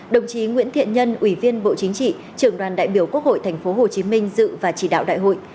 đồng chí nguyễn thiện nhân ủy viên bộ chính trị trường đoàn đại biểu quốc hội tp hồ chí minh dự và chỉ đạo đại hội